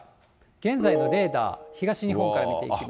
現在のレーダー、東日本から見ていきます。